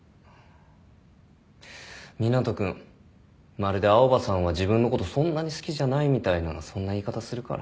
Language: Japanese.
まるで青羽さんは自分のことそんなに好きじゃないみたいなそんな言い方するから。